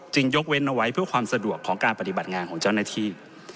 ยกเว้นเอาไว้เพื่อความสะดวกของการปฏิบัติงานของเจ้าหน้าที่